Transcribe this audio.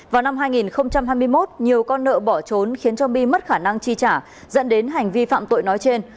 vào năm hai nghìn hai mươi một nhiều con nợ bỏ trốn khiến cho my mất khả năng chi trả dẫn đến hành vi phạm tội nói trên